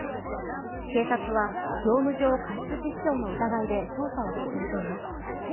警察は業務上過失致死傷の疑いで捜査を進めています。